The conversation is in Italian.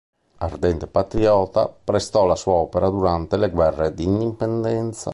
Ardente patriota, prestò la sua opera durante le guerre d'indipendenza.